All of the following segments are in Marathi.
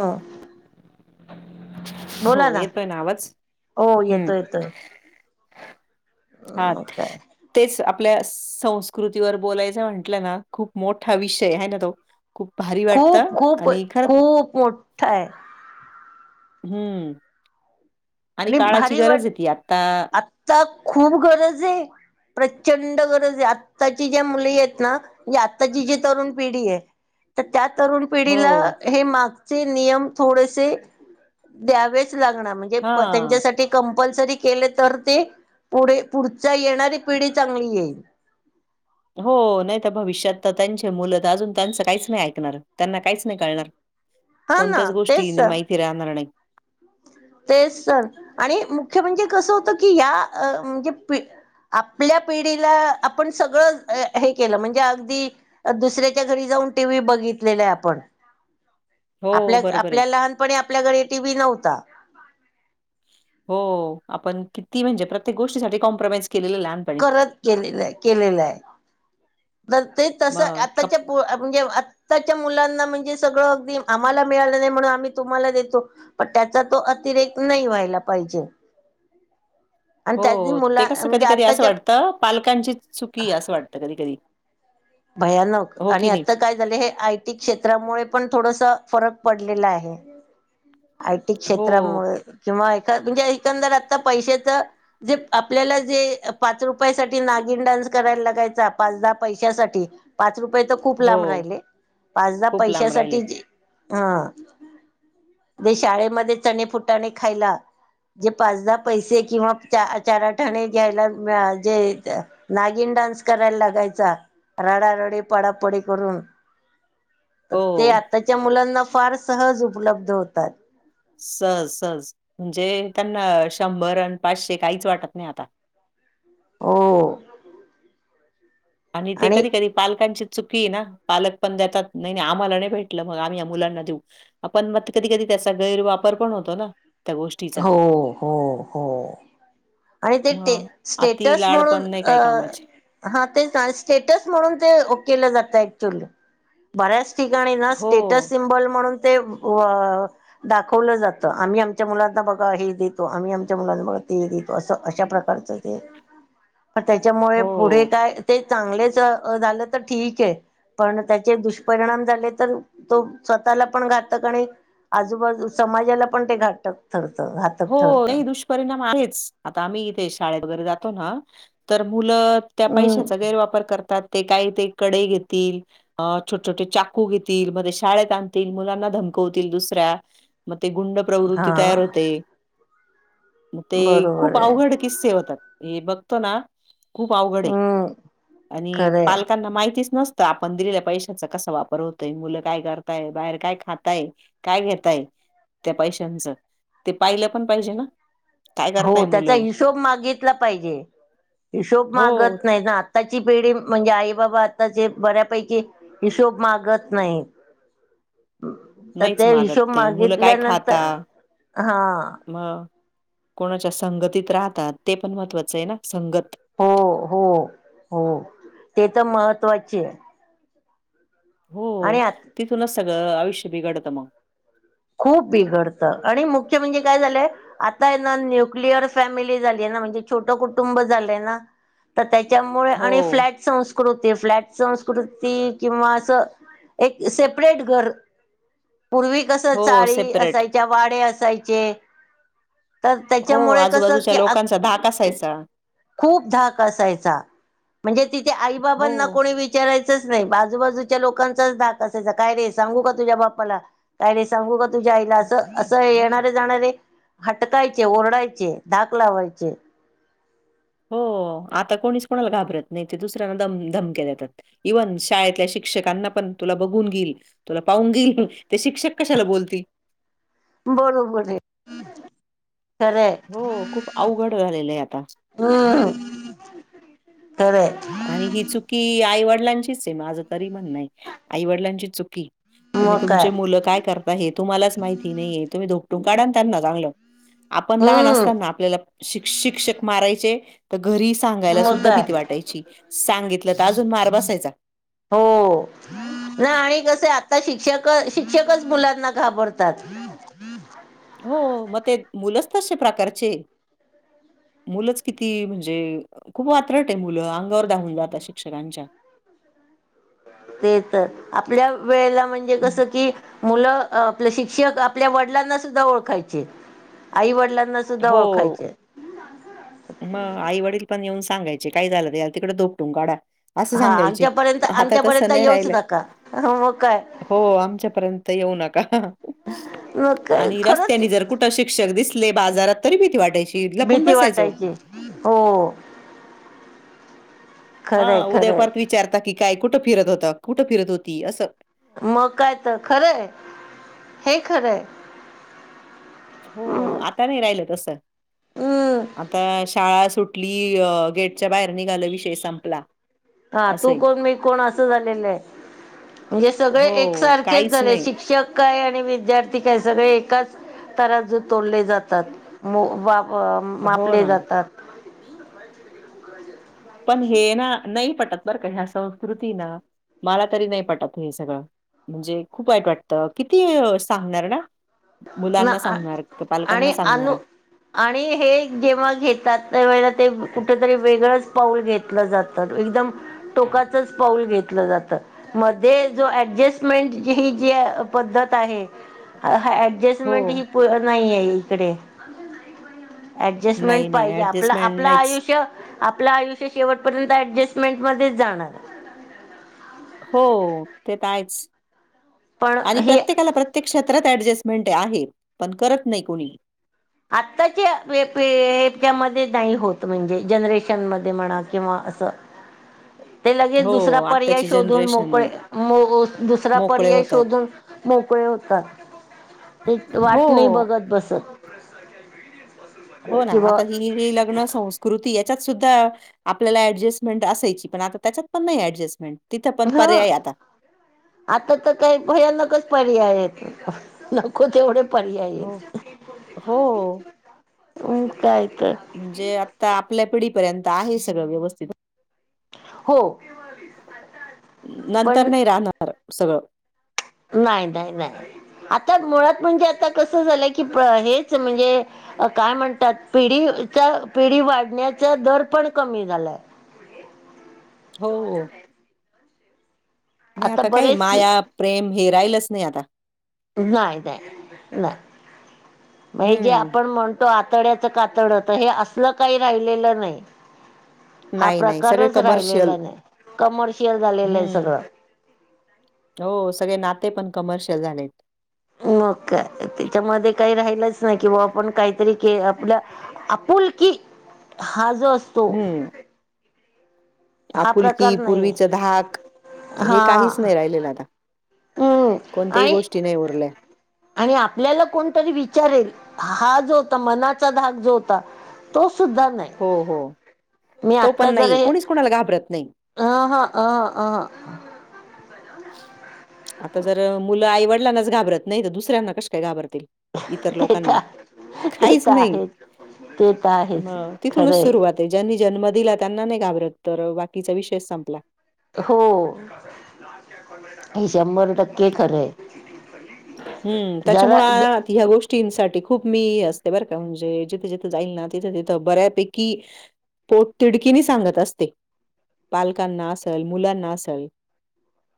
हां. हो येतोय ना आवाज? हो येतो हम्म. येतोय हा अ ते काय तेच आपल्या संस्कृतीवर बोलायचं म्हटलं ना, खूप मोठा विषय आहे ना तो खूप भारी खूप वाटतं खूप आणि खरं खूप मोठा आहे हम्म आणि काळाची भारी वाट गरज आहे ती आता आता खूप गरज आहे. प्रचंड गरज आहे. आत्ताची ज्या मुली आहेत ना म्हणजे आत्ताची जी तरुण पिढी आहे, तर त्या तरुण हो पिढीला- हे मागचे नियम थोडेसे द्यावेच लागणार म्हणजे हा त्यांच्यासाठी कंपलसरी केले तर ते पुढे पुढच्या येणारी पिढी चांगली येईल. हो नाही तर भविष्यात तर त्यांचे मुलं तर अजून, त्यांचं काहीच नाही ऐकणार त्यांना काहीच-ंं नाही कळणार हा कोणत्याच ना गोष्टी तेच तर माहिती राहणार नाहीत. तेच सण आणि मुख्य म्हणजे कसं होतं की, या ह म्हणजे पि - आपल्या पिढीला आपण सगळं हे केलं म्हणजे अगदी- दुसऱ्याच्या घरी जाऊन टीव्ही बघितलेला आहे आपण हो आपल्या बरोबर आहे आपल्या लहानपणी आपल्या घरी टी व्ही नव्हता. हो आपण किती? म्हणजे प्रत्येक गोष्टीसाठी कॉम्प्रोमाइज केलेल लहान. करत केलेलं हाय, केलेलं हाय, तर ते तस मग आताच्या पो म्हणजे आत्ताच्या मुलांना म्हणजे सगळं अगदी, आम्हाला मिळालं नाही म्हणून आम्ही तुम्हाला देतो. पण त्याचा तो अतिरेक नाही व्हायला पाहिजे. [inaudible] आणि हो त्यानी हो ते मुला कसं म्हणजे कधी कधी असं आताच्या वाटतं, पालकांची चुकी असं वाटतं कधी कधी. भयानक हो आणि की नाही आता काय झालय, हे आयटी क्षेत्रामुळे पण थोडस फरक पडलेला आहे. आयटी हो क्षेत्रामुळे किंवा ए म्हणजे एकंदर आता पैशाच जे आपल्याला जे पाच रुपया साठी नागिन डान्स करायला लागायचा, पाच दहा पैशासाठी पाच रुपये तर खूप हो लांब राहिले. पाचदा खूप लांब राहिले पैशासाठी हा ते शाळेमध्ये चणे, फुटाणे खायला जे पाचदाहा पैसे किंवा चारआठाणे घ्यायला जे नागिन डान्स कराय लागायचा रडारडी, पडापडी करून तर ते हो आताच्या मुलांना फार सहज उपलब्ध होतात. सज सज म्हणजे त्यांना शंभर आणि पाचशे काहीच वाटत नाही आता. हो. आणि ते कधी कधी पालकांचीच चुकी हाय ना, पालक पण देतात. नाही आम्हाला नाही भेटलं, मग आम्ही या मुलांना देऊ. आपण मग कधी कधी त्याचा गैरवापर पण होतो ना. त्या गोष्टीचा हो हो हो. आणि ते टे मग अति स्टेटस लाड म्हणून पण नाही अ काही कामाचे हा ते स्टेटस म्हणून ते ओ केलं जातं ऍक्च्युअली. बऱ्याच ठिकाणी ना हो स्टेटस सिमबॉल म्हणून ते व दाखवल जात. आम्ही आमच्या मुलांचे आता बघा हे देतो. आम्ही आमच्या मुलांना बघा ते देतो. असं अशा प्रकारचं ते पण त्याच्यामुळे पुढे हो काय? ते चांगलेच झालं तर ठीक हाय पण त्याचे दुष्परिणाम झाले तर, तो स्वतःला पण घातक आणि आजूबाजू समाजाला पण ते घातक ठरतं, घातक ठरतं. परिणाम आहेच. आता आम्ही इथे शाळेत वगैरे जातो ना तर मुलं त्या हम्म पैशाचा गैरवापर करतात. ते काही ते कडे घेतील अ छोटे छोटे चाकू घेतील, म ते शाळेत आणतील, मुलांना धमकवतील दुसऱ्या मग ते गुंड प्रवृत्ती तयार हा होते. मग ते बरोबर खूप आहे. अवघड किस्से होतात. हे बघतो ना. खूप अवघड ये हम्म आणि खरंय पालकांना माहितीच नसते. तर आपण दिलेल्या पैशाचा कसा वापर होतोय? मुलं काय करताय? बाहेर काय खाताय काय घेतायत त्या पैशांचं? पाहिल पण पाहिजे ना. काय करताय हो त्याचा मुलं? हिशोब मागितला पाहिजे. हिशोब हो मागत नाही ना आताची पिढी म्हणजे आई - बाबा आताचे, बऱ्यापैकी हिशोब मागत नाही. तर नाहीच ते मागत हिशोब ते मुलं मागितल्यानंतर हा. म कोणाच्या संगतीत राहतात, ते पण महत्त्वाचं आहे ना. संगत. हो हो हो. ते तर महत्त्वाची ये. हो आणि आत तिथूनच सगळं आयुष्य बिघडतं मग. खूप बिघडत आणि मुख्य म्हणजे काय झालंय? आताय ना न्युक्लियर फॅमिली झाली आहे ना. म्हणजे छोट कुटुंब झालय ना. तर त्याच्यामुळे, हो, आणि फ्लॅट संस् संस्कृती, फ्लॅट संस्कृती किंवा अस एक सेपरेट घर पूर्वी कस हो चाळी सेपरेट. असायच्या. वाडे असायचे. तर हो त्याच्यामुळे कसं आजूबाजूच्या की लोकांचा धाक असायचा. खूप धाक असायचा. म्हणजे तिथे आई हो. बाबांना कोणी विच विचारायच नाही. आजूबाजूच्या लोकांचाच धाक असायचा. काय रे सांगू का तुझ्या बापाला. काय रे, सांगू का तुझ्या आईला. अस अस येणारे जाणारे हटकायचे, ओरडायचे, धाक लावायचे. हो आता कोणीच कोणाला घाबरत नाही. ते दुसऱ्यांना दम धमक्या देतात. इव्हन शाळेतल्या शिक्षकांना पण, तुला बघून घेईल. तुला पाहून घेईन. ते शिक्षक कशाला बोलतील. बरोबर आहे. खरंय हो, खूप अवघड झालेल आहे आता. [unintelligible] आणि ही चुकी आईवडिलांचीच आहे. माझ तरी म्हणण आहे. आईवडिलांची चुकी आहे. तुम्ही, मग काय तुमचे मुल काय करता हे तुम्हालाच माहिती नाहीये. तुम्ही धोकटून काढा ना त्यांना चांगल. आपण लहान असताना हम्म आपल्याला शिक शिक्षक मारायचे. तर घरी सांगायला मग सुद्धा भीती काय वाटायची. सांगितल तर अजून मार बसायचा. हो, नाही आणि कस आता, शिक्षक शिक्षकच मुलांना घाबरतात. हो मग ते मुलच तशे प्रकारचेये. मुलच किती म्हणजे, खूप वात्रट आहे मुल. अंगावर धावून जाता शिक्षकांच्या. ते तर, आपल्या वेळेला म्हणजे कस हं. कि मुल आपले शिक्षक आपल्या वडिलांना सुद्धा ओळखायचे. आई वडिलांना सुद्धा हो ओळखायचे मग आई वडील पण येऊन सांगायचे. काही झाल तर याला तिकडे धोपटून काढा. अस हा सांगायचे. आमच्यापर्यंत आता तस आमच्यापर्यंत नाही येऊच राहिलय. नका मग काय हो, आमच्या पर्यंत येऊ नका. मग काय आणि खरंच रस्त्यानी जर कुठ शिक्षक दिसले बाजारात तरी भीती वाटायची. लपून भीती बसायचो. वाटायची हो हा खरंय उद्या खरंय परत विचारता की काय, कुठ फिरत होता? कुठ फिरत होती? अस. मग काय तर खरय. हे खरय. हो, आता नाही राहिल तस. हम्म आता शाळा सुट ली, गेटच्या बाहेर निघाल विषय संपला. हा तू असंय. कोण. मी कोण. अस झालेल आहे. म्हणजे सगळे हो. एकसारखेच काहीच झाले. नाही. शिक्षक काय आणि विद्यार्थी काय सगळे एकाच तराजुत तोलले जातात. मो वा हो मापले ना. जातात. [unintelligible] पण हे ना नाही पटत बर का. ह्या संस्कृती ना मला तरी नाही पटत हे सगळ. म्हणजे खूप वाईट वाटत. किती सांगणार ना. ना मुलांना सांगणार. का, पालकांना आणि अनु सांगणार. आणि, हे जेव्हा घेतात त्या वेळेला ते कुठेतरी वेगळच पाऊल घेत जात, एकदम टोकाचच पाऊल घेतल जात. मध्ये जो ऍडजेस्टमेंट ही जी पद्धत आहे हो. ऍडजस्टमेंट हि नाही आहे इकडे. नाही, ऍडजस्टमेंट नाही पाहिजे आपल, ॲडजस्टमेंट आपलं नाहीच. आयुष्यं. आपलं आयुष्य शेवटपर्यंत ऍडजस्टमेंटमध्येच जाणार. हो ते तर आहेच, पण आणि हे प्रत्येकाला प्रत्य प्रत्येक क्षेत्रात ऍडजस्टमेंट आहे, पण करत नाही कोणी. आत्ताच्या हेच्यामध्ये नाही होत म्हणजे, जनरेशन मध्ये म्हणा किंवा असं. [inaudible] ते लगेच दुसरा पर्याय आत्ताची शोधून जनरेशन मोकळे, नाही. दुसरा मोकळे पर्याय होतात. शोधून. मोकळे होतात ते, वाट नाही हो. बघत बसत. हो ना किंवा आता ही, लग्न संस्कृती यांच्यात सुद्धा. आपल्याला ऍडजस्टमेंट असायची, पण आता त्यांच्यात पण नाही ऍडजस्टमेंट. हं.. आता तर काही भयानकच पर्याय आहेत, नको तेवढे. हो. पर्यायेत हो काय तर. म्हणजे, आता आपल्या पिढीपर्यंत आहे सगळं व्यवस्थित. हो. नंतर पण नाही राहणार सगळं. नाही नाही नाही आता मुळात म्हणजे, आता कसं झालंय की हेच म्हणजे. अ काय म्हणतात, पिढीचा पिढी वाढण्याचा दर पण कमी झालाय. हो, नाही आता काही माया. प्रेम हे राहिलंच नाही आता. नाही नाही नाही मग, हे जे हम्म. आपण म्हण आतड्याच कातड तर हे, असलं काही राहिलेलं नाही. हा नाही, नाही सगळे प्रकारच कमर्शियल राहिलेला नाही, कमर्शियल झालेला हम्म. सगळं. हो सगळे नाते पण, कमरशेल झालेत. मग काय तेच्यामध्ये काही राहिलंच नाही की बुवा, आपण काहीतरी के आपल्या. आपुलकी हा जो अस हम्म. हा आपुलकी प्रकार नाही आहे पूर्वीचं धाक हे, हा काहीच नाही राहिलेलं आता. हम्म कोणत्याही आणि गोष्टी नाही उरल्या. आणि आपल्याला कोणतरी विचारेल, हा जो होता मनाचा धाग जो होता. तो सुद्धा नाही. हो हो तो पण नाहीे, कोणीच कोणाला घाबरत नाही. अह अं अह. आता जर मुलं आईवडिलांनाच घाबरत नाही तर, दुसऱ्यांना कशी काय घाबरतील. इतर ते लोकांना, तर ते काहीच तर नाही आहेच ते तर आहेच मग तिथूनच खरंय सुरुवात. ते ज्यांनी जन्म दिला त्यांना नाही घाबरत, तर बाकीचा विषयाचं संपला. हो, हे शंभर टक्के खरंय. हम्म जरा त्यांच्यामुळे ज आ ह्या गोष्टींनसाठी खूप मी असते बरं का, म्हणजे जिथे जिथे जाईल ना तिथं तिथं बऱ्यापैकी. पोटतिडकीनी सांगत असते, पालकांना असलं मुलांना असलं.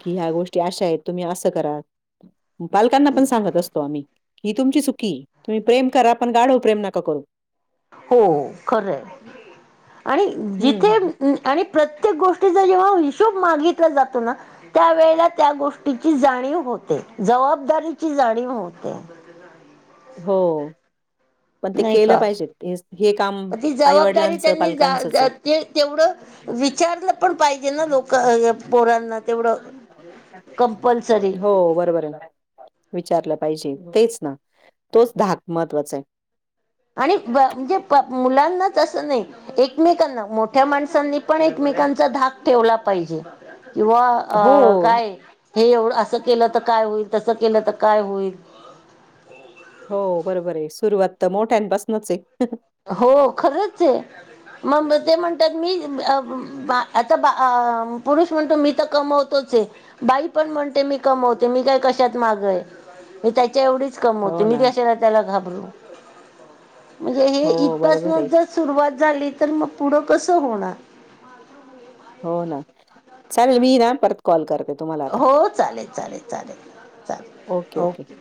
की ह्या गोष्टी अशा आहेत, तुम्ही असं करा. पालकांना पण सांगत असतो आम्ही, ही तुमची चुकी तुम्ही प्रेम करा आपण गाढव प्रेम नका करू. हो खरं आहे. आणि जिथे, हं, आणि प्रत्येक गोष्टीचा जेव्हा हिशोब मागितला जातोना. त्या वेळेला त्या गोष्टीची जाणीव होते, जबाबदारीची जाणीव होते. हो. पण ते नाही केलं का पाहिजेत हेच हे काम आईवडिलांचं पालकांचंच आहे. ते तेवढं विचारलं पण पाहिजेल ना लोक पोरांना तेवढं कंपल्सरी हो बरोबर आहे. विचारलं पाहिजे तेच ना तोच धाक महत्त्वाचा आहे. आणि ब म्हणजे मुलांना तसं नाही एकमेकांना मोठ्या माणसांनी पण आहे. एकमेकांचा धाक ठेवला पाहिजे किंवा हो, अ काय हे एवढं असं केलं तर काय होईल तसं केलं तर काय होईल हो बरोबर आहे सुरुवात मोठ्यान पासनच आहे. हो खरंच आहे मंग ते म्हणत्यात मी अ बा आता बा पुरुष म्हणतो मी तर कमवतोच आहे बाई पण म्हणते मी कमवते मी काय कशात माग आहे मी त्याच्या एवढी च कमावते हो मी ना. कशाला त्याला घाबरू म्हणजे हे हो, इतकं बरोबर असं आहे. ज सुरुवात झाली तर मग पुढं कसं होणार. हो ना चालेल मी ना परत कॉल करते तुम्हाला आता हो चालेल चालेल चालेल चालेल ओके ओके.